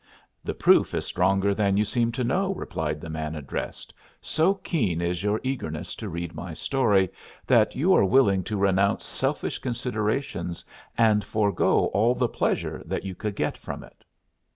"The proof is stronger than you seem to know," replied the man addressed: "so keen is your eagerness to read my story that you are willing to renounce selfish considerations and forego all the pleasure that you could get from it."